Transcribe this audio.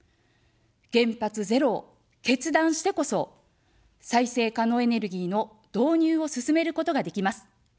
原発ゼロを決断してこそ、再生可能エネルギーの導入を進めることができます。